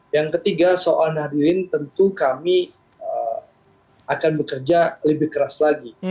yang ketiga soal nahdilin tentu kami akan bekerja lebih keras lagi